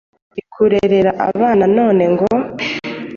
ikurerera abana none ngo...